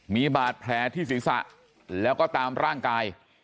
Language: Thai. มีบาดแผลที่ศีรษะแล้วก็ตามร่างกาย